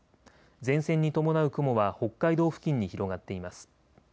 前線に伴う雲は北海道付近に広がっています。